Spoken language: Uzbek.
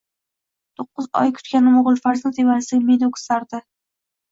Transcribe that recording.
To`qqiz oy kutganim o`g`il farzand emasligi meni o`ksitardi